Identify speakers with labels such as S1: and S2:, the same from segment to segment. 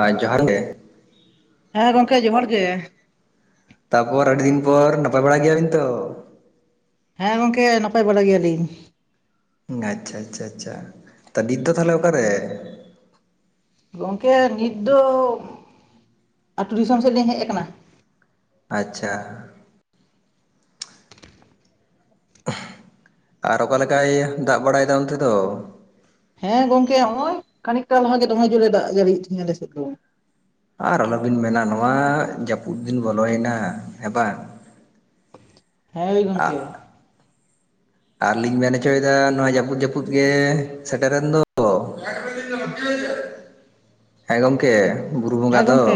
S1: ᱟᱨ ᱡᱚᱦᱟᱨ ᱜᱮ
S2: ᱦᱮᱸ ᱜᱚᱢᱠᱮ ᱡᱚᱦᱟᱨ ᱜᱮ
S1: ᱛᱟᱯᱚᱨ ᱟᱹᱰᱤ ᱫᱤᱱ ᱯᱚᱨ ᱱᱟᱯᱟᱭ ᱵᱟᱲᱟ ᱜᱮᱭᱟᱵᱤᱱ ᱛᱚ
S2: ᱦᱮᱸ ᱜᱚᱝᱠᱮ ᱱᱟᱯᱟᱭ ᱵᱟᱲᱟ ᱜᱮᱭᱟᱞᱤᱧ
S1: ᱟᱪᱪᱷᱟ ᱟᱪᱪᱷᱟ ᱟᱪᱷᱟ ᱛᱟ ᱱᱤᱛ ᱫᱚ ᱛᱟᱦᱚᱞᱮ ᱚᱠᱟᱨᱮ
S2: ᱜᱚᱝᱠᱮ ᱱᱤᱛ ᱫᱚ ᱟᱛᱳ ᱫᱤᱥᱚᱢ ᱥᱮᱫ ᱞᱤᱧ ᱦᱮᱡ ᱟᱠᱟᱱᱟ
S1: ᱟᱪᱪᱷᱟ ᱟᱨ ᱚᱠᱟᱞᱮᱠᱟᱭ ᱫᱟᱜ ᱵᱟᱲᱟᱭᱮᱫᱟ ᱚᱱᱛᱮ ᱫᱚ
S2: ᱦᱮᱸ ᱜᱚᱝᱠᱮ ᱱᱚᱜ ᱚᱚᱭ ᱠᱷᱟᱹᱱᱤᱠᱴᱟ ᱞᱟᱦᱟ ᱜᱮ ᱫᱚᱢᱮ ᱡᱳᱨᱮ ᱫᱟᱜ ᱡᱟᱹᱲᱤᱭᱮᱫ ᱛᱟᱦᱮᱡ ᱟᱞᱮ ᱥᱮᱫ ᱫᱚ
S1: ᱟᱨ ᱟᱞᱚᱵᱤᱱ ᱢᱮᱱᱟ ᱱᱚᱣᱟ ᱡᱟᱹᱯᱩᱫ ᱫᱤᱱ ᱵᱚᱞᱚᱭᱮᱱᱟ ᱦᱮᱸ ᱵᱟᱝ [inaudible]
S2: ᱦᱮᱸ ᱦᱳᱭ ᱜᱚᱢᱠᱮ
S1: ᱟᱨᱞᱤᱧ ᱢᱮᱱ ᱦᱚᱪᱚᱭᱮᱫᱟ ᱱᱚᱣᱟ ᱡᱟᱹᱯᱩᱫ ᱡᱟᱹᱯᱩᱫ ᱜᱮ ᱥᱮᱴᱨᱮᱱ ᱫᱚ᱾ ᱦᱮᱸ ᱜᱚᱝᱠᱮ ᱵᱩᱨᱩ
S2: ᱦᱮᱸ
S1: ᱵᱚᱸᱜᱟ ᱫᱚ
S2: ᱜᱚᱝᱠᱮ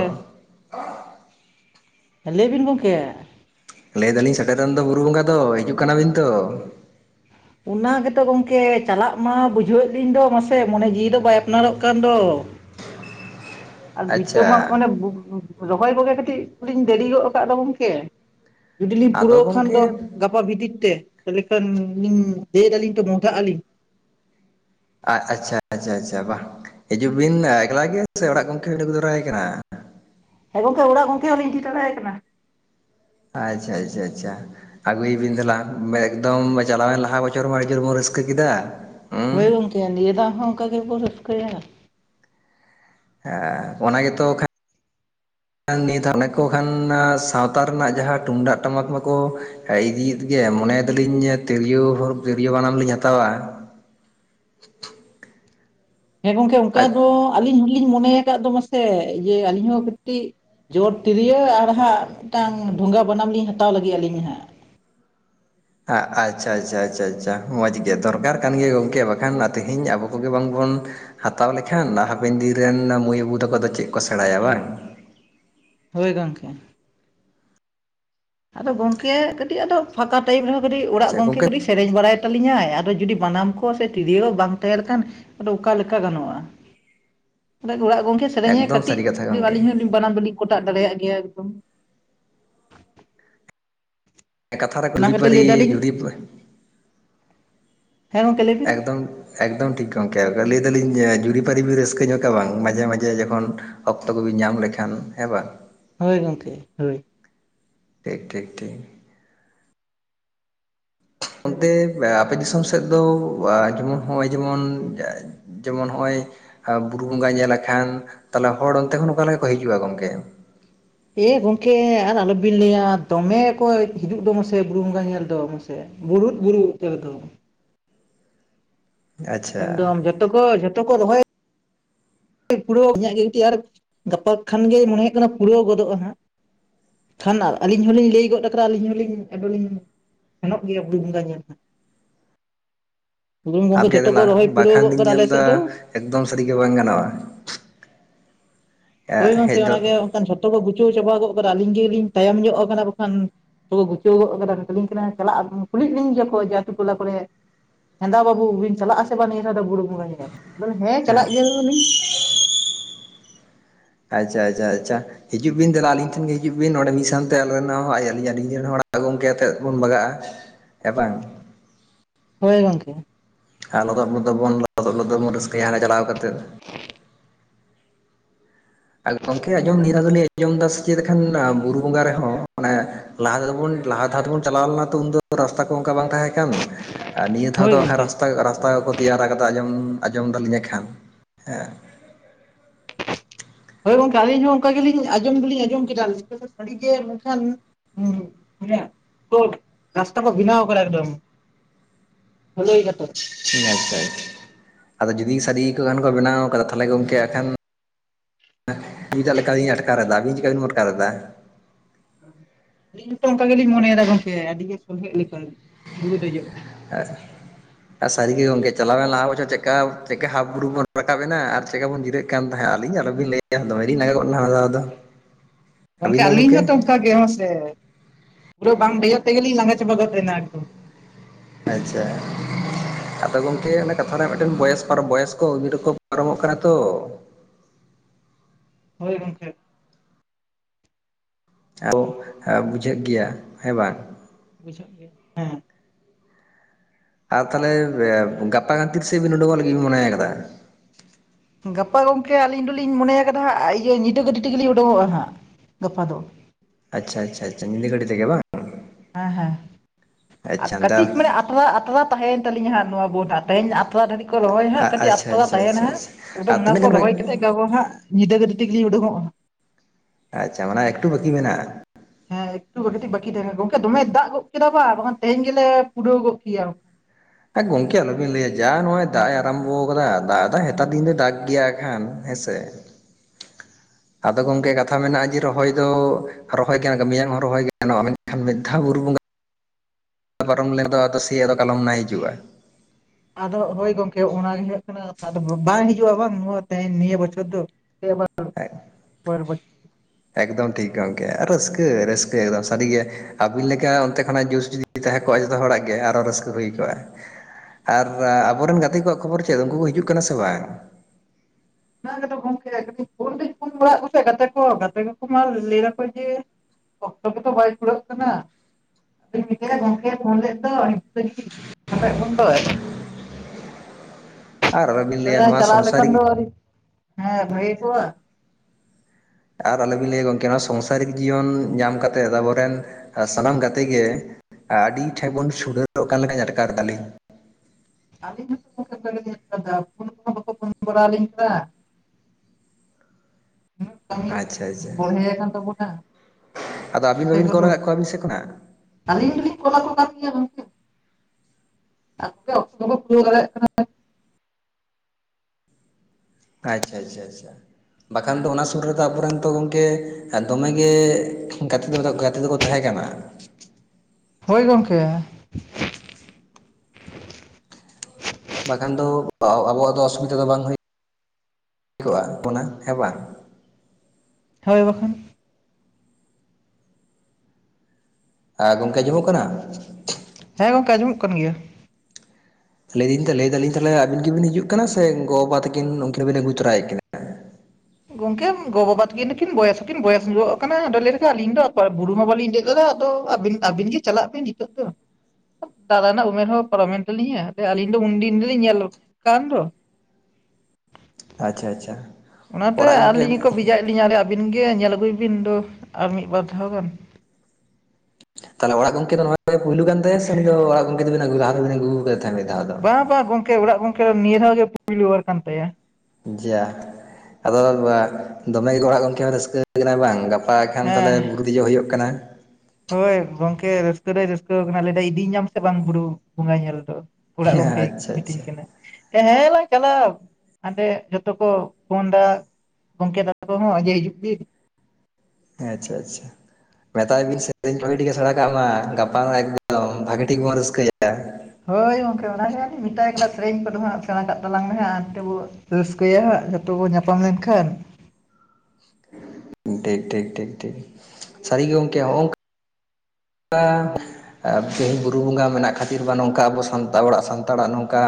S2: ᱮᱸ ᱞᱟᱹᱭ ᱵᱤᱱ ᱜᱚᱢᱠᱮ
S1: ᱞᱟᱹᱭ ᱫᱟᱞᱤᱧ ᱥᱮᱴᱮᱨᱮᱱ ᱫᱚ ᱵᱩᱨᱩ ᱵᱚᱸᱜᱟ ᱫᱚ, ᱦᱤᱡᱩᱜ ᱠᱟᱱᱟᱵᱤᱱ ᱛᱚ?
S2: ᱚᱱᱟ ᱜᱮᱛᱚ ᱜᱚᱝᱠᱮ ᱪᱟᱞᱟᱜ ᱢᱟ ᱵᱩᱡᱷᱟᱹᱣᱮᱜ ᱞᱤᱧ ᱫᱚ ᱢᱟᱥᱮ ᱢᱚᱱᱮ ᱡᱤᱣᱤ ᱫᱚ ᱵᱟᱭ ᱟᱯᱱᱟᱨᱚᱜ ᱠᱟᱱ ᱫᱚ᱾ ᱟᱨ ᱵᱷᱤᱴᱟᱹᱢᱟᱜ
S1: ᱟᱪᱪᱷᱟ
S2: ᱢᱟᱱᱮ ᱨᱚᱦᱚᱭ ᱠᱚᱜᱮ ᱠᱟᱹᱴᱤᱡᱧ ᱫᱮᱨᱤ ᱜᱚᱫ ᱟᱠᱟᱜᱫᱟ ᱜᱚᱝᱠᱮ ᱡᱩᱫᱤ ᱞᱤᱧ
S1: ᱟᱫᱚ
S2: ᱯᱩᱨᱟᱹᱣ ᱠᱷᱟᱱ
S1: ᱜᱚᱢᱠᱮ
S2: ᱫᱚ ᱜᱟᱯᱟ ᱜᱟᱯᱟ ᱵᱷᱤᱛᱤᱨ ᱛᱮ ᱛᱟᱦᱚᱞᱮ ᱠᱷᱟᱱ ᱞᱤᱧ ᱞᱟᱹᱭ ᱫᱟᱞᱤᱧ ᱛᱚ ᱢᱚᱸᱦᱫᱷᱟᱜ ᱟᱹᱞᱤᱧ
S1: ᱟ ᱟᱪᱪᱷᱟ ᱟᱪᱪᱷᱟ ᱟᱪᱪᱷᱟ ᱵᱟᱦ ᱦᱤᱡᱩᱜ ᱵᱤᱱ ᱮᱠᱞᱟ ᱜᱮ ᱥᱮ ᱚᱲᱟᱜ ᱜᱚᱢᱠᱮ ᱦᱚᱸ ᱵᱤᱱ ᱟᱹᱜᱩ ᱛᱚᱨᱟᱭᱮ ᱠᱟᱱᱟ
S2: ᱦᱮᱸ ᱜᱝᱠᱮ ᱚᱲᱟᱜ ᱜᱚᱢᱠᱮ ᱦᱚᱸᱞᱤᱧ ᱤᱫᱤ ᱛᱟᱨᱟᱭᱮ ᱠᱟᱱᱟ
S1: ᱟᱪᱪᱷᱟ ᱟᱪᱪᱷᱟ ᱟᱪᱪᱷᱟ ᱟᱹᱜᱩᱭᱵᱤᱱ ᱫᱮᱞᱟ ᱮᱠᱫᱚᱢ ᱪᱟᱞᱟᱣᱮᱱ ᱞᱟᱦᱟ ᱵᱚᱪᱷᱚᱨᱢᱟ ᱟᱹᱰᱤ ᱡᱳᱨ ᱵᱚᱱ ᱨᱟᱹᱥᱠᱟᱹ ᱠᱮᱫᱟ᱾
S2: ᱦᱳᱭ
S1: ᱦᱩᱸ
S2: ᱜᱚᱝᱠᱮ ᱱᱤᱭᱟᱹ ᱫᱷᱟᱣ ᱦᱚᱸ ᱚᱱᱠᱟ ᱜᱮ ᱵᱚᱱ ᱨᱟᱹᱥᱠᱟᱹᱭᱟ
S1: ᱚᱱᱟ ᱜᱮ ᱛᱚ ᱱᱤᱛ ᱦᱟ ᱱᱟᱠᱚ ᱠᱷᱟᱱ ᱥᱟᱶᱛᱟ ᱨᱮᱱᱟᱜ ᱡᱟᱦᱟᱸ ᱛᱩᱢᱫᱟᱜ ᱴᱟᱢᱟᱠ ᱢᱟᱠᱚ ᱦᱮᱸ ᱤᱫᱤᱭᱮᱫ ᱜᱮ ᱢᱚᱱᱮᱭᱮᱫᱟᱞᱤᱧ ᱛᱤᱨᱭᱳ ᱦᱚᱸ ᱛᱤᱨᱭᱳ ᱵᱟᱱᱟᱢ ᱞᱤᱧ ᱦᱟᱛᱟᱣᱟ᱾
S2: ᱦᱮᱸ ᱜᱚᱝᱠᱮ ᱚᱱᱠᱟ
S1: ᱟᱡ
S2: ᱫᱚ ᱟᱹᱞᱤᱧ ᱦᱚᱸᱞᱤᱧ ᱢᱚᱱᱮ ᱟᱠᱟᱫ ᱫᱚ ᱢᱟᱥᱮ ᱡᱮ ᱟᱹᱞᱤᱧ ᱦᱚᱸ ᱠᱟᱹᱴᱤᱡ ᱡᱚᱴ ᱛᱤᱨᱭᱳ ᱟᱨ ᱦᱟᱸᱜ ᱢᱤᱫᱴᱟᱝ ᱰᱷᱚᱸᱜᱟ ᱵᱟᱱᱟᱢ ᱞᱤᱧ ᱦᱟᱛᱟᱣ ᱞᱟᱹᱜᱤᱫ ᱟᱹᱞᱤᱧ ᱦᱟᱸᱜ
S1: ᱟᱪᱪᱷᱟ ᱟᱪᱪᱷᱟ ᱟᱪᱷᱟ ᱟᱪᱷᱟ ᱢᱚᱡᱽ ᱜᱮ ᱫᱚᱨᱠᱟᱨ ᱠᱟᱱ ᱜᱮ ᱜᱚᱢᱠᱮ ᱵᱟᱠᱷᱟᱱ ᱛᱮᱦᱤᱧ ᱟᱵᱚ ᱠᱚᱜᱮ ᱵᱟᱝᱵᱚᱱ ᱦᱟᱛᱟᱣ ᱞᱮᱠᱷᱟᱱ ᱦᱟᱯᱮᱱ ᱫᱤᱱ ᱨᱮᱱ ᱢᱟᱹᱭ ᱵᱟᱹᱵᱩ ᱛᱟᱠᱚ ᱫᱚ ᱪᱮᱫ ᱠᱚ ᱥᱮᱬᱟᱭᱟ ᱵᱟᱝ
S2: ᱦᱳᱭ ᱜᱚᱢᱠᱮ ᱟᱫᱚ ᱜᱚᱝᱠᱮ ᱠᱟᱹᱴᱤᱡ ᱟᱫᱚ ᱯᱷᱟᱸᱠᱟ ᱴᱟᱭᱤᱢ ᱨᱮᱦᱚᱸ ᱠᱟᱹᱴᱤᱡ ᱚᱲᱟᱜ
S1: ᱟᱪᱪᱷᱟ
S2: ᱜᱚᱝᱠᱮ
S1: ᱜᱚᱢᱠᱮ
S2: ᱠᱟᱹᱴᱤᱡ ᱥᱮᱨᱮᱧ ᱵᱟᱲᱟᱭ ᱛᱟᱞᱤᱧᱟᱭ ᱟᱫᱚ ᱡᱩᱫᱤ ᱵᱟᱱᱟᱢ ᱠᱚ ᱥᱮ ᱛᱤᱨᱭᱳ ᱦᱚᱸ ᱵᱟᱝ ᱛᱟᱦᱮᱸ ᱞᱮᱱᱠᱷᱟᱱ ᱟᱫᱚ ᱚᱠᱟ ᱞᱮᱠᱟ ᱜᱟᱱᱚᱜᱼᱟ ᱚᱲᱟᱜ ᱜᱚᱝᱠᱮ ᱥᱮᱨᱮᱧᱟ
S1: ᱮᱠᱫᱚᱢ
S2: ᱠᱟᱹᱴᱤᱡ
S1: ᱥᱟᱹᱨᱤ ᱠᱟᱛᱷᱟ
S2: ᱟᱹᱞᱤᱧ
S1: ᱜᱚᱢᱠᱮ
S2: ᱦᱚᱸᱞᱤᱧ ᱵᱟᱱᱟᱢ ᱫᱚᱟᱹᱞᱤᱧ ᱠᱚᱴᱟᱜ ᱫᱟᱲᱮᱭᱟᱜ ᱜᱮᱭᱟ ᱮᱠᱫᱚᱢ
S1: ᱠᱟᱛᱷᱟ ᱨᱮ
S2: ᱚᱱᱟ
S1: ᱡᱩᱨᱤ ᱯᱟᱹᱨᱤ ᱡᱩᱨᱤ ᱯᱟᱹ
S2: ᱦᱮ ᱜᱚᱢᱠᱮ
S1: ᱮᱠᱫᱚᱢ ᱮᱠᱫᱚᱢ ᱴᱷᱤᱠ ᱜᱚᱢᱠᱮ ᱞᱟᱹᱭ ᱮᱫᱟᱞᱤᱧ ᱡᱩᱨᱤ-ᱯᱟᱨᱤ ᱵᱤᱱ ᱨᱟᱹᱥᱠᱟᱹ ᱧᱚᱜᱼᱟ ᱵᱟᱝ ᱢᱟᱡᱷᱮ ᱢᱟᱡᱷᱮ ᱡᱚᱠᱷᱚᱱ ᱚᱠᱛᱚ ᱠᱚ ᱵᱤᱱ ᱧᱟᱢ ᱞᱮᱠᱷᱟᱱ ᱦᱮᱸ ᱵᱟᱝ
S2: ᱦᱳᱭ ᱜᱚᱢᱠᱮ ᱦᱳᱭ
S1: ᱴᱷᱤᱠ ᱴᱷᱤᱠ ᱚᱱᱛᱮ ᱟᱯᱮ ᱫᱤᱥᱚᱢ ᱥᱮᱫ ᱫᱚ ᱡᱮᱢᱚᱱ ᱱᱚᱜᱼᱚᱭ ᱡᱮᱢᱚᱱ ᱡᱮᱢᱚᱱ ᱱᱚᱜ-ᱚᱭ ᱵᱩᱨᱩ ᱵᱚᱸᱜᱟ ᱧᱮᱞ ᱟᱠᱷᱟᱱ ᱛᱟᱦᱞᱮ ᱦᱚᱲ ᱚᱱᱛᱮ ᱠᱷᱚᱱ ᱚᱠᱟ ᱞᱮᱠᱟ ᱠᱚ ᱦᱤᱡᱩᱜᱼᱟ ᱜᱚᱝᱠᱮ
S2: ᱮᱸ ᱜᱚᱝᱠᱮ ᱟᱨ ᱟᱞᱚᱵᱤᱱ ᱞᱟᱹᱭᱟ ᱫᱚᱢᱮ ᱠᱚ ᱦᱤᱡᱩᱜ ᱫᱚ ᱢᱟᱥᱮ ᱵᱩᱨᱩ ᱵᱚᱸᱜᱟ ᱧᱮᱞ ᱫᱚ ᱢᱟᱥᱮ ᱵᱩᱨᱩᱫ ᱵᱩᱨᱩ ᱩᱛᱟᱹᱛ ᱫᱚ
S1: ᱟᱪᱪᱷᱟ
S2: ᱮᱠᱫᱚᱢ ᱡᱷᱚᱛᱚ ᱠᱚ ᱡᱷᱚᱛᱚ ᱠᱚ ᱨᱚᱦᱚᱭ ᱯᱩᱨᱟᱹᱣ ᱤᱧᱟᱹᱜ ᱜᱮ ᱠᱟᱹᱴᱤᱡ ᱟᱨ ᱜᱟᱯᱟ ᱠᱷᱟᱱᱜᱮ ᱢᱚᱱᱮ ᱦᱩᱭᱩᱜ ᱠᱟᱱᱟ ᱯᱩᱨᱟᱹᱣ ᱜᱚᱫᱚᱜᱼᱟ ᱦᱟᱸᱜ ᱠᱷᱟᱱ ᱟᱨ ᱟᱹᱞᱤᱧ ᱦᱚᱞᱤᱧ ᱞᱟᱹᱭ ᱜᱚᱫ ᱠᱟᱫᱟ ᱟᱹᱞᱤᱧ ᱦᱚᱞᱤᱧ ᱮᱫᱚᱞᱤᱧ ᱥᱮᱱᱚᱜ ᱜᱮᱭᱟ [unintelligible] ᱧᱮᱞ ᱦᱟᱸᱜ ᱵᱩᱨᱩ ᱜᱚᱝᱠᱮ ᱡᱷᱚᱛᱚ
S1: ᱫᱮ-ᱫᱮᱞᱟ
S2: ᱠᱚ ᱨᱚᱦᱚᱭ ᱯᱩᱨᱟᱹᱣ
S1: ᱵᱟᱠᱷᱟᱱ
S2: ᱜᱚᱫ
S1: ᱞᱤᱧ
S2: ᱠᱟᱫᱟ ᱟᱞᱮ
S1: ᱧᱮᱞᱫᱟ
S2: ᱥᱮᱫ ᱫᱚ
S1: ᱮᱠᱫᱚᱢ ᱥᱟᱹᱨᱤ ᱜᱮ ᱵᱟᱝ ᱜᱟᱱᱚᱜᱼᱟ
S2: ᱦᱳᱭ
S1: ᱦᱮᱡ
S2: ᱜᱚᱝᱠᱮ
S1: ᱫᱚ
S2: ᱚᱱᱟᱜᱮ ᱚᱱᱠᱟᱱ ᱡᱷᱚᱛᱚ ᱠᱚ ᱜᱩᱪᱟᱹᱣ ᱪᱵᱟ ᱠᱚᱜ ᱠᱟᱱᱫᱟ ᱟᱹᱞᱤᱧ ᱜᱮᱞᱤᱧ ᱛᱟᱭᱚᱢ ᱧᱚᱜ ᱟᱠᱟᱱᱟ ᱵᱟᱠᱷᱟᱱ ᱛᱠᱚ ᱜᱩᱪᱟᱹᱣ ᱜᱚᱫ ᱠᱟᱫᱟ ᱠᱚ ᱛᱟᱹᱞᱤᱧ ᱠᱟᱱᱟ ᱪᱟᱞᱟᱜ ᱠᱩᱞᱤᱮᱫ ᱞᱤᱧ ᱜᱮᱭᱟ ᱠᱚ ᱡᱮ ᱟᱹᱛᱩ ᱴᱚᱞᱟ ᱠᱚᱨᱮ ᱦᱮᱸᱫᱟ ᱵᱟᱹᱵᱩ ᱵᱤᱱ ᱪᱟᱞᱟᱜ ᱟᱥᱮ ᱵᱟᱝ ᱱᱤᱭᱟᱹ ᱫᱚ ᱵᱩᱨᱩ ᱵᱚᱸᱜᱟ ᱧᱮᱞ ᱟᱫᱚᱞᱤᱧ ᱦᱮᱸ ᱪᱟᱞᱟᱜ ᱜᱮᱭᱟᱞᱤᱧ
S1: ᱟᱪᱪᱷᱟ ᱟᱪᱪᱷᱟ ᱟᱪᱪᱷᱟ ᱦᱤᱡᱩᱜ ᱵᱤᱱ ᱫᱮᱞᱟ ᱟᱹᱞᱤᱧ ᱴᱷᱮᱱ ᱜᱮ ᱦᱤᱡᱩᱜ ᱵᱤᱱ ᱱᱚᱸᱰᱮ ᱢᱤᱫ ᱥᱟᱶᱛᱮ ᱟᱞᱮ ᱨᱮᱱ ᱦᱚᱸ ᱟᱹᱞᱤᱧ ᱟᱹᱞᱤᱧ ᱨᱮᱱ ᱦᱚᱸ ᱚᱲᱟᱜ ᱜᱚᱢᱠᱮ ᱟᱮᱫ ᱵᱚᱱ ᱞᱟᱜᱟᱜᱼᱟ᱾ ᱦᱮ ᱵᱟᱝ
S2: ᱦᱳᱭ ᱜᱚᱢᱠᱮ
S1: ᱟᱨ ᱞᱚᱫᱚᱵ ᱞᱚᱫᱚᱵ ᱵᱚᱱ ᱞᱚᱫᱚᱵ ᱞᱚᱫᱚᱵ ᱵᱚᱱ ᱨᱟᱹᱥᱡᱟᱹᱭᱟ ᱪᱟᱞᱟᱣ ᱠᱟᱛᱮᱫ
S2: [inaudible]
S1: ᱜᱚᱢᱠᱮ ᱟᱸᱢᱚᱢᱫᱤᱧ ᱱᱮᱛᱟᱨ ᱫᱚᱞᱤᱧ ᱟᱸᱡᱚᱢ ᱮᱫᱟ, ᱥᱮ ᱪᱮᱫᱠᱷᱟᱱ ᱵᱩᱨᱩ ᱵᱚᱸᱜᱟ ᱨᱮᱦᱚᱸ ᱢᱟᱱᱮ ᱞᱟᱦᱟ ᱛᱮᱫᱚ ᱵᱚᱱ ᱞᱟᱦᱟ ᱫᱷᱟᱣ ᱫᱚ ᱵᱚᱱ ᱪᱟᱞᱟᱣ ᱞᱮᱱᱟ ᱛᱚ ᱩᱱᱫᱚ ᱨᱟᱥᱛᱟ ᱠᱚ ᱚᱱᱠᱟ ᱵᱟᱝ ᱛᱟᱦᱮᱸ ᱠᱟᱱᱟ ᱱᱤᱭᱟᱹ ᱫᱷᱟᱣ
S2: ᱦᱳᱭ
S1: ᱫᱚ ᱠᱷᱟᱱ
S2: ᱜᱚᱝᱠᱮ
S1: ᱨᱟᱥᱛᱟ ᱨᱟᱥᱛᱟ ᱛᱮᱭᱟᱨ ᱠᱟᱫᱟ ᱟᱸᱡᱚᱢ, ᱟᱸᱡᱚᱢ ᱫᱟᱹᱞᱤᱧ ᱦᱟᱜ ᱠᱷᱟᱱ ᱦᱮᱸ
S2: ᱦᱳᱭ ᱜᱚᱝᱠᱮ ᱟᱹᱞᱤᱧ ᱦᱚᱸ ᱚᱱᱠᱟ ᱜᱮᱞᱤᱧ ᱟᱸᱢᱚᱢ ᱫᱚᱞᱤᱧ ᱟᱸᱡᱚᱢ ᱠᱮᱫᱟ ᱥᱟᱹᱨᱤᱜᱮ ᱢᱮᱱᱠᱷᱟᱱ ᱱᱟᱥᱛᱟ ᱠᱚ ᱵᱮᱱᱟᱣ ᱠᱟᱫᱟ ᱮᱠᱫᱚᱢ ᱴᱷᱟᱹᱞᱟᱭ ᱠᱟᱛᱮᱜ
S1: ᱟᱪᱪᱷᱟ ᱟᱪᱪᱷᱟ ᱾ ᱟᱫᱚ ᱡᱩᱫᱤ ᱥᱟᱹᱨᱤ‌ ᱜᱮ ᱠᱚ ᱠᱷᱟᱱ ᱠᱚ ᱵᱮᱱᱟᱣ ᱠᱟᱫᱟ ᱛᱟᱦᱚᱞᱮ ᱜᱮ ᱜᱚᱢᱠᱮ ᱦᱟᱜ ᱠᱷᱟᱱ ᱥᱩᱵᱤᱫᱷᱟ ᱞᱮᱠᱟᱜᱮᱧ ᱟᱴᱟᱠᱟᱨ ᱮᱫᱟ ᱟᱵᱤᱱ ᱪᱤᱠᱟ ᱵᱤᱧ ᱟᱴᱠᱟᱨ ᱮᱫᱟ?
S2: ᱟᱹᱞᱤᱧ ᱦᱚᱸᱚᱛᱚ ᱚᱱᱠᱟ ᱜᱮᱞᱤᱧ ᱢᱚᱱᱮᱭᱮᱫᱟ ᱜᱚᱝᱠᱮ ᱟᱹᱰᱤᱜᱮ ᱥᱚᱞᱦᱮᱜ ᱞᱮᱠᱟ ᱵᱩᱨᱩ ᱫᱮᱡᱚᱜ ᱾
S1: ᱟᱨ ᱟᱨ ᱥᱟᱹᱨᱤᱜᱮ ᱜᱚᱝᱠᱮ ᱪᱟᱞᱟᱣᱮᱱ ᱞᱟᱦᱟ ᱯᱚᱪᱷᱨ ᱪᱮᱠᱟ ᱪᱮᱠᱠᱟ ᱦᱟᱯᱷ ᱵᱩᱨᱩ ᱵᱚᱱ ᱨᱟᱠᱟᱵ ᱮᱱᱟ ᱟᱨ ᱪᱮᱫᱠᱟᱜ ᱵᱚᱱ ᱡᱤᱨᱟᱹᱜ ᱛᱟᱦᱮᱸᱫ ᱟᱹᱞᱤᱧ ᱟᱞᱚᱵᱤᱱ ᱞᱟᱹᱭᱟ ᱫᱚᱢᱮᱞᱤᱧ ᱞᱟᱸᱜᱟ ᱜᱚᱜ ᱱᱟ ᱦᱟᱱᱟ ᱫᱷᱟᱳ ᱫᱚ ᱾
S2: ᱜᱚᱢᱠᱮ ᱟᱹᱞᱤᱧ ᱦᱚᱸᱛᱚ ᱚᱱᱠᱟ ᱜᱮ ᱦᱮᱸ ᱥᱮ ᱯᱩᱨᱟᱹ ᱵᱟᱝ ᱫᱮᱡᱚᱜ ᱛᱮᱜᱮᱞᱤᱧ ᱞᱟᱸᱜᱟ ᱪᱟᱵᱟ ᱜᱚᱫ ᱞᱮᱱᱟ ᱮᱠᱫᱚᱢ
S1: ᱟᱪᱪᱷᱟ ᱟᱫᱚ ᱜᱚᱢᱠᱮ ᱚᱱᱟ ᱠᱟᱛᱷᱟ ᱨᱮᱭᱟᱜ ᱢᱤᱫᱴᱟᱝ ᱵᱚᱭᱚᱥ ᱠᱚ ᱟᱹᱰᱤ ᱨᱚᱠᱚᱢ ᱯᱟᱨᱚᱢᱚᱜ ᱠᱟᱱᱟ ᱛᱚ
S2: ᱦᱳᱭ ᱜᱚᱢᱠᱮ
S1: ᱟᱵᱚ ᱵᱩᱡᱷᱟᱹᱜ ᱜᱮᱭᱟ ᱦᱮᱸ ᱵᱟᱝ
S2: ᱵᱩᱡᱷᱟᱹᱜ ᱜᱮᱭᱟ ᱾ ᱦᱮᱸ
S1: ᱟᱨ ᱛᱟᱦᱚᱞᱮ ᱜᱟᱯᱟ ᱜᱟᱱ ᱛᱤ ᱥᱮ ᱩᱰᱠᱚᱜ ᱞᱟᱹᱜᱤᱫ ᱵᱤᱱ ᱢᱚᱱᱮ ᱟᱠᱟᱫᱟ?
S2: ᱜᱟᱯᱟ ᱜᱚᱝᱠᱮ ᱟᱹᱞᱤᱧ ᱫᱚᱞᱤᱧ ᱢᱚᱱᱮ ᱟᱠᱟᱫᱟ ᱦᱟᱸᱜ ᱤᱭᱟᱹ ᱧᱤᱫᱟᱹ ᱜᱟᱹᱰᱤ ᱛᱮᱜᱮᱞᱤᱧ ᱩᱰᱩᱠᱚᱜ-ᱟ ᱦᱟᱸᱜ ᱜᱟᱯᱟ ᱫᱚ ᱾
S1: ᱟᱪᱪᱷᱟ ᱟᱪᱪᱷᱟ ᱟᱪᱪᱷᱟ ᱧᱤᱫᱟᱹ ᱜᱟᱹᱰᱤ ᱛᱮᱜᱮ ᱵᱟᱝ?
S2: ᱦᱮᱸ ᱦᱮᱸ
S1: ᱟᱪᱪᱷᱟ
S2: ᱾
S1: ᱫᱟ
S2: ᱠᱟᱹᱴᱤᱡ ᱢᱟᱱᱮ ᱟᱛᱨᱟ ᱟᱛᱨᱟ ᱛᱟᱦᱮᱸᱭᱮᱱ ᱛᱟᱞᱤᱧᱟ ᱦᱟᱸᱜ ᱱᱚᱣᱟ ᱵᱳᱴ ᱛᱮᱦᱮᱧ ᱟᱛᱨᱟ ᱫᱷᱟᱹᱵᱤᱡ ᱠᱚ ᱨᱚᱦᱚᱭ ᱦᱟᱸᱜ ᱾ ᱠᱟᱹᱴᱤᱡ
S1: ᱟᱪᱪᱷᱟ
S2: ᱟᱛᱨᱟ
S1: ᱟᱪᱪᱷᱟ
S2: ᱛᱟᱦᱮᱱ
S1: ᱟᱪᱪᱷᱟ
S2: ᱦᱟᱸᱜ
S1: ᱟᱪᱪᱷᱟ
S2: ᱾ ᱟᱫᱚ
S1: ᱟᱨ
S2: ᱚᱱᱟ ᱠᱚ
S1: ᱛᱤᱱᱟᱹᱜ ᱜᱟᱱ ᱵᱟᱠᱤ
S2: ᱨᱚᱦᱚᱭ ᱠᱟᱛᱮᱜ ᱜᱚ ᱦᱟᱸᱜ ᱧᱤᱫᱟᱹ ᱜᱟᱹᱰᱤ ᱛᱮᱜᱞᱤᱧ ᱩᱰᱩᱠᱚᱜ-ᱟ ᱾
S1: ᱟᱪᱪᱷᱟ ᱢᱟᱱᱮ ᱮᱠᱴᱩ ᱵᱟᱹᱠᱤ ᱢᱮᱱᱟᱜ-ᱟ
S2: ᱦᱮᱸ ᱮᱠᱴᱩ ᱠᱟᱹᱴᱤᱡ ᱵᱟᱠᱤ ᱛᱟᱦᱮᱸ ᱠᱟᱱᱟ ᱜᱚᱝᱠᱮ ᱫᱚᱢᱮ ᱫᱟᱜ ᱜᱚᱫ ᱠᱮᱫᱟ ᱵᱟ ᱵᱟᱝᱠᱷᱟᱱ ᱛᱮᱦᱮᱧ ᱜᱮᱞᱮ ᱯᱩᱨᱟᱹᱣ ᱜᱚᱫ ᱠᱮᱭᱟ
S1: ᱦᱮᱸ ᱜᱚᱝᱠᱮ ᱟᱞᱚᱵᱤᱱ ᱞᱟᱹᱭᱟ ᱡᱟ ᱱᱚᱜᱼᱚᱭ ᱫᱟᱜ ᱮ ᱟᱨᱟᱢᱵᱷᱚ ᱟᱠᱟᱫᱟ ᱫᱟᱜ ᱫᱟᱜ ᱦᱮᱛᱟᱜ ᱫᱤᱱ ᱫᱚᱭ ᱫᱟᱜ ᱜᱮᱭᱟ ᱠᱷᱟᱱ ᱦᱮᱸᱥᱮ [inaudible] ᱟᱫᱚ ᱜᱚᱢᱠᱮ ᱠᱟᱛᱷᱟ ᱢᱮᱱᱟᱜᱼᱟ ᱡᱮ ᱨᱚᱦᱚᱭ ᱟᱫᱚ ᱨᱚᱦᱚᱭ ᱢᱮᱭᱟᱝ ᱦᱚᱸ ᱨᱚᱦᱚᱭ ᱜᱮ ᱜᱟᱱᱚᱜ-ᱟ ᱢᱮᱱᱠᱷᱟᱱ ᱢᱤᱫ ᱫᱷᱟᱣ ᱵᱩᱨᱩ ᱵᱚᱸᱜᱟ ᱯᱟᱨᱚᱢ ᱞᱮᱱ ᱫᱚ ᱟᱫᱚ ᱥᱮ ᱟᱫᱚ ᱠᱟᱞᱚᱢ ᱱᱟᱭ ᱦᱤᱡᱩᱜ-ᱟ
S2: ᱟᱫᱚ ᱦᱳᱭ ᱜᱚᱝᱠᱮ ᱚᱱᱟᱜᱮ ᱦᱩᱭᱩᱜ ᱠᱟᱱᱟ ᱵᱟᱝ ᱦᱤᱡᱩᱜ-ᱟ ᱵᱟᱝ ᱱᱚᱣᱟ ᱛᱮᱦᱮᱧ ᱱᱤᱭᱟᱹ ᱵᱚᱪᱷᱚᱨ ᱫᱚ [inaudible]
S1: ᱮᱠᱫᱚᱢ ᱴᱷᱤᱠ ᱜᱮ ᱜᱚᱢᱠᱮ ᱨᱟᱹᱥᱠᱟᱹ ᱨᱟᱹᱥᱠᱟᱹ ᱮᱠᱫᱚᱢ ᱥᱟᱹᱨᱤᱜᱮ ᱟᱹᱵᱤᱱ ᱞᱮᱠᱟ ᱚᱱᱛᱮ ᱠᱷᱚᱱᱟᱜ ᱡᱩᱥ ᱡᱩᱫᱤ ᱛᱟᱦᱮᱸ ᱠᱚᱜᱼᱟ ᱡᱚᱛᱚ ᱦᱚᱲᱟᱜ ᱜᱮ ᱟᱨᱚ ᱨᱟᱹᱥᱠᱟᱹ ᱦᱩᱭ ᱠᱚᱜ-ᱟ ᱟᱨ ᱟᱵᱚᱨᱮᱱ ᱜᱟᱛᱮ ᱠᱚᱣᱟᱜ ᱠᱷᱚᱵᱚᱨ ᱪᱮᱫ ᱩᱱᱠᱩ ᱠᱚ ᱦᱤᱡᱩᱜ ᱠᱟᱱᱟ ᱥᱮ ᱵᱟᱝ
S2: ᱚᱱᱟ ᱜᱮᱛᱚ ᱜᱚᱢᱠᱮ ᱠᱟᱹᱴᱤᱡ ᱯᱷᱳᱱ ᱫᱚᱧ ᱯᱷᱳᱱ ᱵᱟᱲᱟ ᱟᱫ ᱠᱚᱥᱮ ᱜᱟᱛᱮ ᱠᱚ ᱜᱟᱛᱮ ᱠᱚᱠᱚ ᱢᱟ ᱞᱟᱹᱭ ᱫᱟᱠᱚ ᱡᱮ ᱚᱠᱛᱚ ᱜᱮᱛᱚ ᱵᱟᱭ ᱠᱩᱲᱟᱹᱜ ᱠᱟᱱᱟ [unintelligible] ᱜᱚᱢᱠᱮ ᱯᱷᱳᱱ ᱞᱮᱫ ᱫᱚᱭ [unintelligible] ᱵᱚᱱ ᱫᱚ
S1: ᱟᱨ ᱟᱞᱚᱵᱤᱱ ᱞᱟᱹᱭᱟ
S2: ᱦᱳᱭ
S1: ᱱᱚᱣᱟ
S2: ᱪᱟᱞᱟᱣ ᱞᱮᱠᱷᱟᱱ
S1: ᱥᱚᱝᱥᱟᱨᱤᱠ
S2: ᱫᱚᱣ ᱦᱮᱸ ᱵᱷᱟᱹᱜᱤ ᱠᱚᱜ-ᱟ
S1: ᱟᱨ ᱟᱞᱮᱵᱤᱱ ᱞᱟᱹᱭᱟ ᱜᱚᱝᱠᱮ ᱚᱱᱟ ᱥᱚᱝᱥᱟᱨᱤ ᱡᱤᱭᱚᱱ ᱧᱟᱢ ᱠᱟᱛᱮᱫ ᱟᱵᱚᱨᱮᱱ ᱥᱟᱱᱟᱢ ᱜᱟᱛᱮ ᱜᱮ ᱟᱹᱰᱤ ᱴᱷᱮᱡ ᱵᱚᱱ ᱥᱩᱰᱟᱹᱨᱚᱜ ᱠᱟᱱ ᱞᱮᱠᱟᱧ ᱟᱴᱠᱟᱨ ᱫᱟᱞᱤᱧ
S2: ᱟᱞᱤᱧ ᱦᱚᱸ [unintelligible] ᱵᱟᱠᱚ ᱯᱷᱳᱱ ᱵᱟᱲᱟ ᱟᱹᱞᱤᱧ ᱠᱟᱱᱟ ᱾ [unintelligible] ᱠᱟᱹᱢᱤ ᱨᱮ
S1: ᱟᱪᱪᱷᱟ ᱟᱪᱪᱷᱟ
S2: ᱵᱚᱲᱦᱮ ᱟᱠᱟᱱ ᱛᱟᱵᱚᱱᱟ
S1: ᱟᱫᱚ ᱟᱹᱵᱤᱱ
S2: ᱜᱟᱛᱮ
S1: ᱵᱟᱹᱵᱤᱱ ᱠᱚᱞ
S2: ᱠᱚᱫᱚ
S1: ᱟᱠᱟᱫ ᱠᱚᱣᱟ ᱟᱹᱵᱤᱱ ᱥᱮᱫ ᱠᱷᱚᱱᱟᱜ
S2: ᱟᱹᱞᱤᱧ ᱫᱚᱸᱞᱤᱧ ᱠᱚᱞ ᱟᱠᱚ ᱠᱟᱱᱟ ᱜᱮᱭᱟ ᱜᱚᱢᱠᱮ ᱟᱠᱚ ᱚᱠᱛᱚ ᱵᱟᱠᱚ ᱠᱩᱲᱟᱹᱣ ᱫᱟᱲᱮᱭᱟᱜ ᱠᱟᱱᱟ
S1: ᱟᱪᱪᱷᱟ ᱟᱪᱪᱷᱟ ᱟᱪᱪᱷᱟ ᱵᱟᱠᱷᱟᱱ ᱫᱚ ᱚᱱᱟ ᱥᱩᱨ ᱨᱮᱫᱚ ᱟᱵᱚᱨᱮᱱᱛᱚ ᱜᱚᱢᱠᱮ ᱫᱚᱢᱮᱜᱮ ᱜᱟᱛᱮ ᱫᱚ ᱜᱟᱛᱮ ᱫᱚᱠᱚ ᱛᱟᱦᱮᱸ ᱠᱟᱱᱟ
S2: ᱦᱳᱭ ᱜᱚᱢᱠᱮ
S1: ᱵᱟᱠᱷᱟᱱ ᱫᱚ ᱟᱵᱚᱣᱟᱜ ᱫᱚ ᱚᱥᱩᱵᱤᱫᱟ ᱫᱚ ᱵᱟᱝ ᱦᱩᱭ ᱦᱩᱭ ᱠᱚᱜᱼᱟ ᱚᱱᱟ ᱦᱮᱸ ᱵᱟᱝ
S2: ᱦᱩᱭ ᱵᱟᱠᱷᱟᱱ
S1: ᱟᱨ ᱜᱚᱝᱠᱮ ᱟᱸᱡᱚᱢᱚᱜ ᱠᱟᱱᱟ
S2: ᱦᱮᱸ ᱜᱚᱝᱠᱮ ᱟᱸᱡᱚᱢᱚᱜ ᱠᱟᱱ ᱜᱮᱭᱟ
S1: ᱞᱟᱹᱭᱫᱤᱧ ᱞᱟᱹᱭ ᱫᱟᱞᱤᱧ ᱟᱵᱤᱱ ᱜᱮᱵᱤᱱ ᱦᱤᱡᱩᱜ ᱠᱟᱱᱟ ᱥᱮ ᱜᱚ ᱵᱟᱵᱟ ᱛᱟᱹᱠᱤᱱ ᱩᱱᱠᱤᱱᱵᱤᱱ ᱟᱹᱜᱩ ᱛᱚᱨᱟᱭᱮᱫ ᱠᱤᱱᱟ
S2: ᱜᱚᱝᱠᱮ ᱜᱚ ᱵᱟᱵᱟ ᱛᱟᱠᱤᱱᱠᱤᱱ ᱵᱚᱭᱮᱥᱠᱤᱱ ᱵᱚᱭᱮᱥ ᱧᱚᱜ ᱠᱟᱱᱟ ᱟᱫᱚ ᱞᱟᱹᱭ ᱫᱟᱠᱤᱱ ᱟᱹᱞᱤᱧ ᱫᱚ ᱵᱩᱨᱩ ᱢᱟ ᱵᱟᱞᱤᱧ ᱫᱮᱡ ᱫᱟᱲᱮᱜᱼᱟ ᱾ ᱟᱫᱚ ᱟᱹᱵᱤᱱ ᱟᱹᱵᱤᱱ ᱜᱮ ᱪᱟᱞᱟᱜ ᱵᱤᱱ ᱱᱤᱛᱚᱜ ᱫᱚ
S1: [inaudible]
S2: ᱫᱟᱬᱟ ᱨᱮᱱᱟᱜ ᱩᱢᱮᱨ ᱦᱚᱸ ᱯᱟᱨᱚᱢᱮᱱ ᱛᱟᱹᱞᱤᱧᱟ ᱟᱹᱞᱤᱧ ᱫᱚ ᱩᱱᱰᱤᱱ ᱨᱮᱞᱤᱧ ᱧᱮᱞ ᱠᱟᱱᱦᱚᱸ
S1: ᱟᱪᱪᱷᱟ ᱟᱪᱪᱷᱟ
S2: ᱚᱱᱟᱛᱮ
S1: ᱚᱲᱟᱜ ᱜᱚᱢᱠᱮ
S2: ᱟᱹᱞᱤᱧ ᱦᱚᱸᱠᱚ ᱵᱷᱮᱡᱟᱭᱮᱫ ᱞᱤᱧᱟᱹ ᱟᱹᱵᱤᱱ ᱜᱮ ᱧᱮᱞ ᱟᱹᱜᱩᱭ ᱵᱤᱱ ᱫᱚ ᱟᱨ ᱢᱤᱫ ᱵᱟᱨ ᱫᱷᱟᱣ ᱜᱟᱱ
S1: ᱛᱟᱦᱚᱞᱮ ᱚᱲᱟᱜ ᱜᱚᱢᱠᱮ ᱱᱚᱣᱟ ᱯᱳᱭᱞᱩ ᱠᱟᱱ ᱛᱟᱦᱮᱸᱟ ᱥᱮ ᱫᱚ ᱜᱚᱢᱠᱮ ᱫᱚᱵᱤᱱ ᱞᱟᱦᱟ ᱟᱹᱜᱩ ᱟᱠᱟᱫ ᱛᱟᱦᱮᱸᱫ ᱢᱤᱫ ᱫᱷᱟᱣ ᱫᱚ
S2: ᱵᱟᱝ ᱵᱟᱝ ᱜᱚᱝᱠᱮ ᱚᱲᱟᱜ ᱜᱚᱝᱠᱮ ᱫᱚ ᱱᱤᱭᱟᱹ ᱫᱷᱟᱣ ᱜᱮ ᱯᱩᱭᱞᱩ ᱵᱟᱨ ᱠᱟᱱ ᱛᱟᱭᱟ
S1: ᱡᱟ ᱟᱫᱚ ᱫᱚᱢᱮᱜ ᱜᱮ ᱚᱲᱟᱜ ᱜᱚᱢᱠᱮ ᱦᱚᱸ ᱨᱟᱹᱥᱠᱟᱹ ᱠᱟᱱᱟ ᱵᱟᱝ ᱜᱟᱯᱟ ᱜᱟᱯᱟ ᱠᱷᱟᱱ
S2: ᱦᱮᱸ
S1: ᱛᱟᱦᱚᱞᱮ ᱵᱩᱨᱩ ᱫᱮᱡᱚᱜ ᱦᱩᱭᱩᱜ ᱠᱟᱱᱟ
S2: ᱦᱳᱭ ᱜᱚᱝᱠᱮ ᱨᱟᱹᱥᱠᱟᱹ ᱫᱚᱭ ᱨᱟᱹᱥᱠᱟᱹᱣ ᱠᱟᱱᱟ ᱞᱟᱹᱭ ᱫᱟᱭ ᱤᱫᱤ ᱧᱟᱢ ᱥᱮ ᱵᱟᱝ ᱵᱩᱨᱩ ᱵᱚᱸᱜᱟ ᱧᱮᱞ ᱫᱚ ᱚᱲᱟᱜ ᱜᱚᱝᱠᱮ
S1: ᱟᱪᱪᱷᱟ
S2: ᱢᱤᱛᱟᱹᱧ
S1: ᱟᱪᱪᱷᱟ
S2: ᱠᱟᱱᱟ ᱦᱮᱸ ᱞᱟᱝ ᱪᱟᱞᱟᱣ ᱦᱟᱸᱰᱮ ᱡᱷᱚᱛᱚ ᱠᱚ ᱯᱷᱳᱱ ᱮᱫᱟ ᱜᱚᱝᱠᱮ ᱫᱟᱠᱟ ᱠᱚ ᱦᱚᱸ ᱟᱜᱮ ᱦᱤᱡᱩᱜ ᱵᱤᱱ
S1: ᱦᱮᱸ ᱟᱪᱪᱷᱟ ᱟᱪᱪᱷᱟ ᱢᱮᱛᱟᱭ ᱵᱤᱱ ᱥᱮᱨᱮᱧ ᱵᱷᱟᱹᱜᱤ ᱴᱷᱤᱠᱮ ᱥᱮᱬᱟ ᱠᱟᱜ ᱢᱟ ᱜᱟᱯᱟ ᱮᱠᱫᱚᱢ ᱵᱷᱟᱹᱜᱤ ᱴᱷᱤᱠ ᱵᱚᱱ ᱨᱟᱹᱥᱠᱟᱹᱭᱟ
S2: ᱦᱳᱭ ᱜᱚᱝᱠᱮ ᱚᱱᱟᱜᱮ ᱞᱤᱧ ᱢᱮᱛᱟᱭ ᱠᱟᱱᱟ ᱥᱮᱨᱮᱧ ᱠᱚᱫᱚ ᱦᱟᱸᱜ ᱥᱮᱬᱟ ᱠᱟᱜ ᱛᱟᱞᱟᱝ ᱢᱮ ᱦᱟᱸᱜ ᱛᱮ ᱨᱟᱹᱥᱠᱟᱹᱭᱟ ᱦᱟᱸᱜ ᱡᱚᱛᱚ ᱵᱚᱱ ᱧᱟᱯᱟᱢ ᱞᱮᱱᱠᱷᱟᱱ
S1: ᱴᱷᱤᱠ ᱴᱷᱤᱠ ᱴᱷᱤᱠ ᱴᱷᱤᱠ ᱥᱟᱹᱨᱤ ᱜᱚᱢᱠᱮ [unintelligible] ᱛᱮᱦᱮᱧ ᱵᱩᱨᱩ ᱵᱚᱸᱜᱟ ᱢᱮᱱᱟᱜ ᱠᱷᱟᱹᱛᱤᱨ ᱵᱟ ᱱᱚᱝᱠᱟ ᱟᱵᱚ ᱥᱟᱱᱛᱟᱲ ᱚᱲᱟᱜ ᱥᱟᱱᱛᱟᱲᱟᱜ ᱱᱚᱝᱠᱟ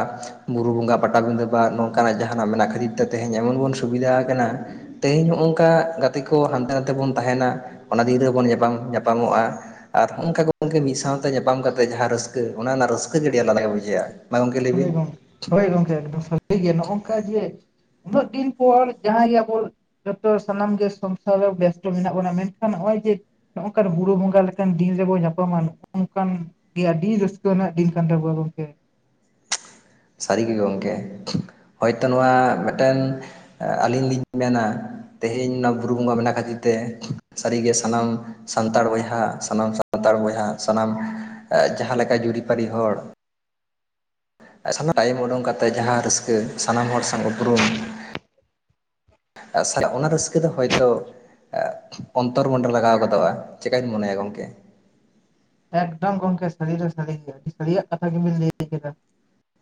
S1: ᱵᱩᱨᱩ ᱵᱚᱸᱜᱟ ᱯᱟᱴᱟᱵᱤᱫᱟᱹ ᱵᱟᱜ ᱱᱚᱝᱠᱟᱱᱟᱜ ᱡᱟᱦᱟᱱᱟᱜ ᱢᱮᱱᱟᱜ ᱠᱷᱟᱹᱛᱤᱨ ᱛᱮ ᱛᱮᱦᱮᱧ ᱮᱢᱚᱱ ᱵᱚᱱ ᱥᱩᱵᱤᱫᱷᱟ ᱟᱠᱟᱱᱟ ᱛᱮᱦᱤᱧ ᱱᱚᱜ ᱱᱚᱝᱠᱟ ᱜᱟᱛᱮ ᱠᱚ ᱦᱟᱱᱛᱮ ᱱᱟᱛᱮ ᱵᱚᱱ ᱛᱟᱦᱮᱱᱟ ᱚᱱᱟ ᱫᱤᱱ ᱨᱮ ᱵᱚᱱ ᱧᱟᱯᱟᱢ ᱧᱟᱯᱟᱢᱚᱜᱼᱟ ᱟᱨ ᱱᱚᱜᱼᱚᱝᱠᱟ ᱜᱚᱝᱠᱮ ᱢᱤᱫ ᱥᱟᱶᱛᱮ ᱧᱟᱯᱟᱢ ᱠᱟᱛᱮᱫ ᱡᱟᱦᱟᱸ ᱨᱟᱹᱥᱠᱟᱹ ᱚᱱᱮ ᱚᱱᱟ ᱨᱟᱹᱥᱠᱟᱹ ᱜᱮ ᱟᱹᱰᱤ ᱟᱞᱟᱫᱟ ᱜᱮ ᱵᱩᱡᱷᱟᱹᱜᱼᱟ ᱢᱟ ᱜᱚᱝᱠᱮ ᱞᱟᱹᱭ
S2: ᱦᱳᱭ
S1: ᱵᱤᱱ
S2: ᱜᱚᱢᱠᱮ ᱦᱳᱭ ᱜᱚᱢᱠᱮ ᱮᱠᱫᱚᱢ ᱥᱟᱹᱨᱤ ᱜᱮᱭ ᱱᱚᱜᱼ ᱱᱚᱝᱠᱟ ᱡᱮ ᱩᱱᱟᱹᱜ ᱫᱤᱱ ᱯᱚᱨ ᱡᱟᱦᱟᱸᱭ ᱜᱮ ᱟᱵᱚ ᱡᱚᱛᱚ ᱥᱟᱱᱟᱢ ᱜᱮ ᱥᱚᱝᱥᱟᱨ ᱨᱮ ᱵᱮᱥᱛᱚ ᱢᱮᱱᱟᱜ ᱵᱚᱱᱟ ᱢᱮᱱᱠᱷᱟᱱ ᱱᱚᱜᱼᱚᱭ ᱡᱮ ᱱᱚᱜᱝᱠᱟᱱ ᱦᱩᱲᱟᱹ ᱦᱚᱸᱜᱟ ᱞᱮᱠᱟᱱ ᱫᱤᱱ ᱨᱮᱵᱚᱱ ᱧᱟᱯᱟᱢᱟ ᱱᱚᱜ ᱱᱚᱝᱠᱟᱱ ᱜᱮ ᱟᱹᱰᱤ ᱨᱟᱹᱥᱠᱟᱹ ᱨᱮᱱᱟᱜ ᱫᱤᱱ ᱠᱟᱱ ᱛᱟᱵᱳᱣᱟ ᱜᱚᱝᱠᱮ
S1: ᱥᱟᱹᱨᱤᱜᱮ ᱜᱚᱢᱠᱮ ᱦᱚᱭᱛᱳ ᱱᱚᱣᱟ ᱢᱤᱫᱴᱮᱱ ᱟᱹᱞᱤᱧ ᱞᱤᱧ ᱢᱮᱱᱟ ᱛᱮᱦᱮᱧ ᱚᱱᱟ ᱵᱩᱨᱩ ᱵᱚᱸᱜᱟ ᱢᱮᱱᱟᱜ ᱠᱷᱟᱹᱛᱤᱨ ᱛᱮ ᱥᱟᱹᱨᱤᱜᱮ ᱥᱟᱱᱟᱢ ᱥᱟᱱᱛᱟᱲ ᱵᱚᱭᱦᱟ ᱥᱟᱱᱟᱢ ᱥᱟᱱᱛᱟᱲ ᱵᱚᱭᱦᱟ ᱥᱟᱱᱟᱢ ᱡᱟᱦᱟᱸ ᱞᱮᱠᱟ ᱡᱩᱨᱤᱯᱟᱨᱤ ᱦᱚᱲ ᱥᱟᱱᱟᱢ ᱴᱟᱭᱤᱢ ᱩᱰᱩᱝ ᱠᱟᱛᱮ ᱡᱟᱦᱟᱸ ᱨᱟᱹᱥᱠᱟᱹ ᱥᱟᱱᱟᱢ ᱦᱚᱲ ᱥᱟᱶ ᱩᱯᱨᱩᱢ [unintelligible] ᱚᱱᱟ ᱨᱟᱹᱥᱠᱟᱹ ᱫᱚ ᱦᱚᱭᱛᱳ ᱚᱱᱛᱚᱨ ᱢᱚᱱᱰᱮ ᱞᱟᱜᱟᱣ ᱜᱚᱫᱚᱜᱼᱟ ᱪᱮᱜ ᱠᱟᱹᱧ ᱢᱚᱱᱮᱭᱟ ᱜᱚᱝᱠᱮ
S2: ᱮᱠᱫᱚᱢ ᱜᱚᱢᱠᱮ ᱥᱟᱹᱨᱤ ᱫᱚ ᱥᱟᱹᱨᱤ ᱜᱮ ᱟᱹᱰᱤ ᱥᱟᱹᱨᱤᱭᱟᱜ ᱠᱟᱛᱷᱟ ᱜᱮᱵᱤᱱ ᱞᱟᱹᱭ ᱠᱮᱫᱟ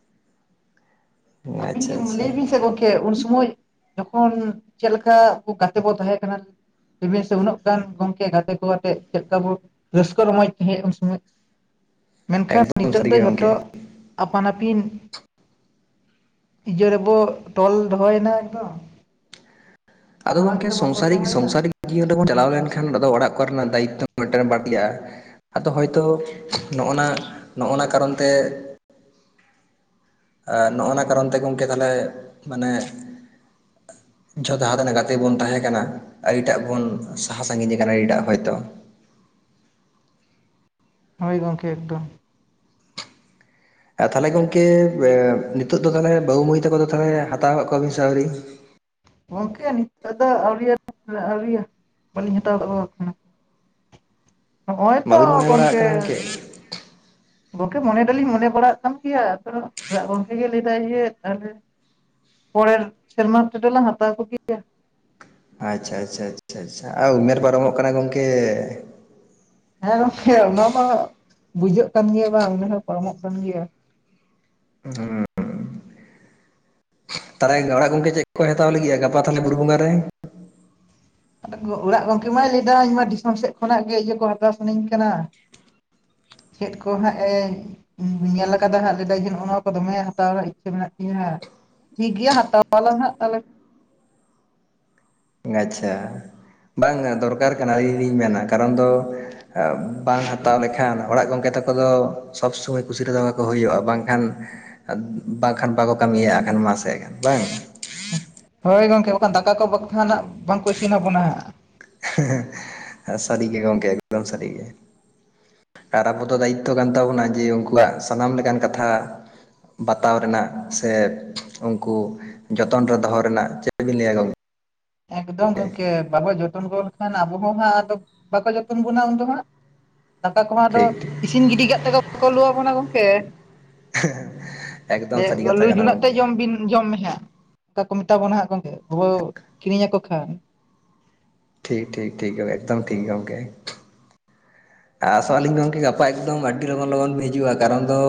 S1: [inaudible]
S2: ᱟᱹᱵᱤᱱ
S1: ᱟᱪᱪᱷᱟ
S2: ᱜᱮ
S1: ᱟᱪᱪᱷᱟ
S2: ᱞᱟᱹᱭ ᱵᱤᱱ ᱥᱮ ᱜᱚᱝᱠᱮ ᱩᱱ ᱥᱚᱢᱚᱭ ᱡᱚᱠᱷᱚᱱ ᱪᱮᱫ ᱞᱮᱠᱟ ᱜᱟᱛᱮ ᱵᱚᱱ ᱛᱟᱦᱮᱸ ᱠᱟᱱᱟ [unintelligible] ᱥᱮ ᱩᱱᱟᱹᱜ ᱜᱟᱱ ᱜᱚᱢᱠᱮ ᱜᱟᱛᱮ ᱠᱚ ᱟᱛᱮ ᱪᱮᱫ ᱞᱮᱠᱟ ᱵᱚ ᱨᱟᱹᱥᱠᱟᱹ ᱨᱚᱢᱚᱡ ᱦᱮᱸ ᱩᱱ ᱥᱚᱢᱚᱭ ᱢᱮᱱᱠᱷᱟᱱ
S1: ᱮᱠᱫᱚᱢ
S2: ᱱᱤᱛᱚᱜ ᱫᱚ
S1: ᱥᱟᱹᱨᱤᱜᱮ
S2: ᱡᱷᱚᱛᱚ
S1: ᱜᱚᱢᱠᱮ
S2: ᱟᱯᱟᱱ ᱟᱹᱯᱤᱱ ᱤᱭᱟᱹ ᱨᱮᱵᱚ ᱛᱚᱞ ᱫᱚᱦᱚᱭᱮᱱᱟ ᱮᱠᱫᱚᱢ᱾
S1: ᱟᱫᱚ
S2: ᱜᱷᱟᱨᱚᱸᱡᱽ
S1: ᱜᱚᱝᱠᱮ
S2: ᱨᱮᱵᱚ ᱛᱚᱞ
S1: ᱥᱚᱝᱥᱟᱨᱤ
S2: ᱫᱚᱦᱚᱭᱮᱱᱟ
S1: ᱥᱚᱝᱥᱟᱨᱤ ᱡᱤᱭᱚᱱ ᱨᱮᱵᱚᱱ ᱪᱟᱞᱟᱣ ᱞᱮᱱᱠᱷᱟᱱ ᱟᱫᱚ ᱚᱲᱟᱜ ᱠᱚᱨᱮᱱᱟᱜ ᱫᱟᱭᱤᱛᱛᱚ ᱢᱤᱫᱴᱮᱱ ᱵᱟᱹᱲᱛᱤᱜᱼᱟ᱾ ᱟᱫᱚ ᱦᱚᱭᱛᱚ ᱱᱚᱜᱼᱱᱟ ᱱᱚᱜᱼᱱᱟ ᱠᱟᱨᱚᱱ ᱛᱮ, ᱟᱨ ᱱᱚᱜᱼ ᱱᱟ ᱠᱟᱨᱚᱱ ᱛᱮᱜᱮ ᱜᱚᱢᱠᱮ ᱛᱟᱦᱞᱮ ᱢᱟᱱᱮ ᱡᱚᱛᱚ ᱡᱟᱦᱟᱸ ᱛᱤᱱᱟᱜᱹ ᱜᱟᱛᱮ ᱵᱚᱱ ᱛᱟᱦᱮᱸ ᱠᱟᱱᱟ᱾ ᱟᱹᱰᱤᱴᱟᱜ ᱵᱚᱱ ᱥᱟᱦᱟ ᱥᱟᱺᱜᱤᱧ ᱟᱠᱟᱱᱟ ᱟᱹᱰᱤᱴᱟᱜ ᱦᱚᱭᱛᱳ᱾
S2: ᱦᱳᱭ ᱜᱚᱢᱠᱮ ᱮᱠᱫᱚᱢ᱾
S1: ᱟᱨ ᱛᱟᱦᱞᱮ ᱜᱚᱝᱠᱮ ᱱᱤᱛᱚᱜ ᱫᱚ ᱛᱟᱦᱞᱮ ᱵᱟᱹᱦᱩ ᱢᱟᱹᱭ ᱛᱟᱠᱚ ᱫᱚ ᱛᱟᱦᱞᱮ ᱦᱟᱛᱟᱣᱟᱜ ᱠᱚᱣᱟᱵᱤᱱ ᱥᱮ ᱟᱣᱨᱤ?
S2: ᱜᱚᱝᱠᱮ ᱱᱤᱛᱚᱜ ᱫᱚ ᱟᱹᱣᱨᱤ ᱟᱹᱣᱨᱤ ᱵᱟᱹᱞᱤᱧ ᱦᱟᱛᱟᱣ ᱟᱠᱟ ᱠᱟᱱᱟ ᱱᱚᱼᱚᱭ ᱛᱚ
S1: ᱵᱟᱹᱵᱤᱱ ᱢᱚᱱᱮ ᱵᱟᱲᱟᱜ
S2: ᱜᱚᱝᱠᱮ
S1: ᱠᱟᱱᱟ
S2: ᱜᱚᱝᱠᱮ ᱢᱚᱱᱮ ᱫᱚᱞᱤᱧ ᱢᱚᱱᱮ ᱵᱟᱲᱟᱜ ᱠᱟᱱ ᱜᱮᱭᱟ ᱟᱫᱚ ᱚᱲᱟᱜ ᱜᱚᱝᱠᱮ ᱜᱮ ᱞᱟᱹᱭᱮᱫᱟᱭ ᱡᱮ ᱛᱟᱦᱞᱮ, ᱯᱮᱨᱮᱨ ᱥᱮᱨᱢᱟ ᱛᱮᱫᱚᱞᱟᱝ ᱦᱟᱛᱟᱣ ᱠᱚᱜᱮᱭᱟ᱾
S1: ᱟᱪᱪᱷᱟ ᱟᱪᱪᱷᱟ ᱟᱪᱪᱷᱟ ᱟᱫᱚ ᱩᱢᱮᱨ ᱯᱟᱨᱚᱢᱚᱜ ᱠᱟᱱᱟ ᱜᱚᱝᱠᱮ᱾
S2: ᱦᱮᱸ ᱜᱚᱢᱠᱮ ᱚᱱᱟ ᱢᱟ ᱵᱩᱡᱷᱟᱹᱜ ᱠᱟᱱ ᱜᱮᱭᱟ ᱵᱟᱝ ᱩᱢᱮᱨ ᱦᱚᱸ ᱯᱟᱨᱚᱢᱚᱜ ᱠᱟᱱ ᱜᱮᱭᱟ᱾
S1: [unintelligible] ᱛᱟᱦᱚᱞᱮ ᱚᱲᱟᱜ ᱜᱚᱝᱠᱮ ᱪᱮᱫ ᱠᱚ ᱦᱟᱛᱟᱣ ᱞᱟᱹᱜᱤᱫ ᱜᱟᱯᱟ ᱛᱟᱦᱚᱞᱮ ᱵᱩᱨᱩ ᱵᱚᱸᱜᱟ ᱨᱮ?
S2: ᱚᱲᱟᱜ ᱜᱚᱢᱠᱮ ᱢᱟᱭ ᱞᱟᱹᱭᱫᱟ ᱤᱧᱢᱟ ᱫᱤᱥᱚᱢ ᱥᱮᱫ ᱠᱷᱚᱱᱟᱜ ᱜᱮ ᱤᱭᱟᱹ ᱠᱚ ᱦᱟᱛᱟᱣ ᱥᱟᱱᱟᱧ ᱠᱟᱱᱟ᱾ ᱪᱮᱫ ᱠᱚ ᱦᱟᱸᱜ ᱮ ᱤᱧ ᱧᱮᱞ ᱟᱠᱟᱫᱟ ᱦᱟᱸᱜ ᱞᱮᱫᱟᱭ ᱡᱮ ᱱᱚᱜ-ᱚ ᱱᱚᱣᱟ ᱠᱚ ᱫᱚᱢᱮ ᱦᱟᱛᱟᱣ ᱨᱮᱱᱟᱜ ᱤᱪᱪᱷᱟᱹ ᱢᱮᱱᱟᱜ ᱛᱤᱧᱟ ᱦᱟᱸᱜ᱾ ᱴᱷᱤᱠ ᱜᱮᱭᱟ ᱦᱟᱛᱟᱣᱟᱞᱟᱝ ᱦᱟᱸᱜ ᱛᱟᱦᱚᱞᱮ᱾
S1: ᱟᱪᱪᱷᱟ ᱵᱟᱝᱼᱟ ᱫᱚᱨᱠᱟᱨ ᱠᱟᱱᱟ ᱟᱹᱞᱤᱧ ᱞᱤᱧ ᱢᱮᱱᱟ ᱠᱟᱨᱚᱱ ᱫᱚ ᱵᱟᱝ ᱦᱟᱛᱟᱣ ᱞᱮᱠᱷᱟᱱ ᱚᱲᱟᱜ ᱜᱚᱝᱠᱮ ᱛᱟᱠᱚ ᱠᱚᱫᱚ ᱥᱚᱵᱽ ᱥᱚᱢᱚᱭ ᱠᱩᱥᱤ ᱨᱮᱫᱚᱚ ᱠᱟᱠᱚ ᱦᱩᱭᱩᱜᱼᱟ ᱵᱟᱝᱠᱷᱟᱱ, ᱵᱟᱝᱠᱷᱟᱱ ᱵᱟᱠᱚ ᱠᱟᱹᱢᱤᱭᱟ ᱮᱱᱠᱷᱟᱱ ᱢᱟᱥᱮ ᱮᱱᱠᱷᱟᱱ ᱵᱟᱝ᱾
S2: ᱦᱳᱭ ᱜᱚᱢᱠᱮ ᱵᱟᱠᱷᱟᱱ ᱦᱟᱸᱜ ᱫᱟᱠᱟ ᱠᱚ ᱵᱟ ᱠᱷᱟᱱ ᱦᱟᱸᱜ ᱵᱟᱝᱠᱚ ᱤᱥᱤᱱ ᱟᱵᱚᱱᱟ ᱦᱟᱸᱜ᱾
S1: ᱦᱮᱸᱦᱮᱸ ᱥᱟᱹᱨᱤ ᱜᱮ ᱜᱚᱢᱠᱮ ᱮᱫᱚᱢ ᱥᱟᱹᱨᱤ ᱜᱮ᱾ ᱟᱨ ᱟᱵᱚᱫᱚ ᱫᱟᱭᱤᱛᱛᱚ ᱠᱟᱱ ᱛᱟᱵᱚᱱᱟ ᱡᱮ ᱩᱱᱠᱩᱣᱟᱜ ᱥᱟᱱᱟᱢ ᱞᱮᱠᱟᱱ ᱠᱟᱛᱷᱟ, ᱵᱟᱛᱟᱣ ᱨᱮᱱᱟᱜ ᱥᱮ ᱩᱱᱠᱩ ᱡᱚᱛᱚᱱ ᱨᱮ ᱫᱚᱦᱚ ᱨᱮᱱᱟᱜ ᱪᱮᱫᱵᱤᱱ ᱞᱟᱹᱭᱟ ᱜᱚᱢᱠᱮ?
S2: ᱮᱠᱫᱚᱢ ᱜᱚᱝᱠᱮ ᱵᱟᱵᱚ ᱡᱚᱛᱚᱱ ᱜᱚᱫ ᱞᱮᱠᱷᱟᱱ ᱟᱵᱚᱦ ᱦᱚᱸ ᱦᱟᱸᱜ ᱟᱫᱚ ᱵᱟᱠᱚ ᱡᱚᱛᱚᱱ ᱵᱚᱱᱟ ᱩᱱᱫᱚ ᱦᱟᱸᱜ᱾ ᱫᱟᱠᱟ ᱠᱚᱢᱟ ᱟᱫᱚ
S1: ᱴᱷᱤᱠ ᱴᱷᱤᱠ
S2: ᱤᱥᱤᱱ ᱜᱤᱰᱤ ᱠᱟᱜ ᱛᱮᱠᱚ ᱵᱟᱠᱚ ᱞᱩᱣᱟᱵᱚᱱᱟ ᱜᱚᱢᱠᱮ᱾
S1: ᱮᱠᱫᱚᱢ
S2: ᱞᱟᱹᱭᱟ
S1: ᱥᱟᱹᱨᱤ
S2: ᱠᱚ
S1: ᱠᱟᱛᱷᱟ
S2: ᱞᱩ
S1: ᱠᱟᱱᱟ
S2: ᱡᱩᱱᱟᱹᱜ ᱛᱮ
S1: ᱜᱚᱝᱠᱮ
S2: ᱡᱚᱢ ᱵᱤᱱ ᱡᱚᱢ ᱢᱮ ᱦᱸᱜ᱾ ᱚᱚᱱᱠᱟ ᱠᱚ ᱢᱮᱛᱟ ᱵᱚᱱᱟ ᱦᱟᱸᱜ ᱜᱚᱝᱠᱮ ᱵᱟᱵᱚ ᱠᱤᱨᱤᱧ ᱟᱠᱚ ᱠᱷᱟᱱ᱾
S1: ᱴᱷᱤᱠ ᱴᱷᱤᱠ ᱴᱷᱤᱠ ᱮᱠᱫᱚᱢ ᱴᱷᱤᱠ ᱜᱮᱭᱟ ᱜᱚᱢᱠᱮ᱾ ᱟᱥᱚᱜ ᱟᱹᱞᱤᱧ ᱜᱚᱢᱠᱮ ᱜᱟᱯᱟ ᱮᱠᱫᱚᱢ ᱟᱹᱰᱤ ᱞᱚᱜᱚᱱ ᱞᱚᱜᱚᱱ ᱵᱤᱱ ᱦᱤᱡᱩᱜᱼᱟ ᱠᱟᱨᱚᱱ ᱫᱚ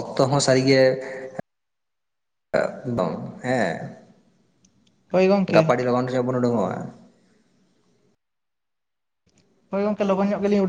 S1: ᱚᱠᱛᱚ ᱦᱚᱸ ᱥᱟᱹᱨᱤᱜᱮ [unintelligible] ᱵᱟᱝ ᱦᱮᱸ,
S2: ᱦᱳᱭ ᱜᱚᱝᱠᱮ
S1: ᱜᱟᱯᱟ ᱟᱰᱤ ᱞᱚᱜᱚᱱ ᱥᱮ ᱵᱚᱱ ᱚᱰᱳᱝᱟ᱾
S2: ᱦᱳᱭ ᱜᱚᱝᱠᱮ ᱞᱚᱱ ᱧᱚᱜ ᱜᱮᱞᱤᱧ ᱩᱰᱟᱹ